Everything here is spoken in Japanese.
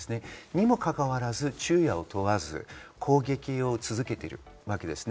にもかかわらず昼夜を問わず攻撃を続けているわけです。